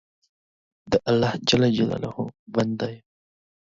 د الله جل جلاله بنده یم.